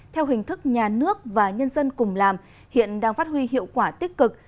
theo hình thức nhà nước và nhân dân cùng làm hiện đang phát huy hiệu quả tích cực